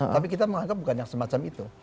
tapi kita menganggap bukan yang semacam itu